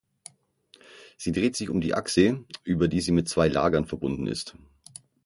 Sie dreht sich um die Achse, über die sie mit zwei Lagern verbunden ist.